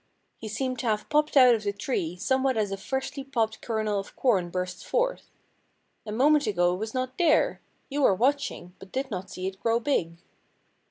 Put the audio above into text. He seemed to have popped out of the tree somewhat as a freshly popped kernel of corn bursts forth. A moment ago it was not there! You were watching, but did not see it grow big.